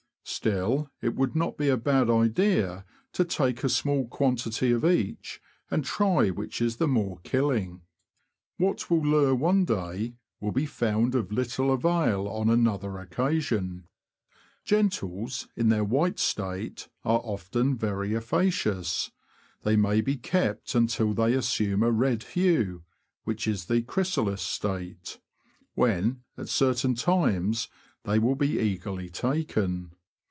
Still, it would not be a bad idea to take a small quantity of each, and try which is the more killing. THE FISH OF THE BROADS. 281 What will lure one day will be found of little avail on another occasion. Gentles, in their white state, are often very efficacious ; they may be kept until they assume a red hue (which is the chrysaHs state), when, at certain times, they will be eagerly taken.